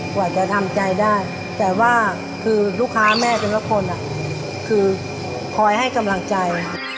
กว่าจะทำใจได้แต่ว่าคือลูกค้าแม่แต่ละคนคือคอยให้กำลังใจ